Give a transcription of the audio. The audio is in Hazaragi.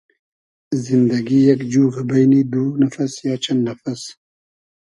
زیندئگی یئگ جوغۂ بݷنی دو نئفئس یا چئن نئفئس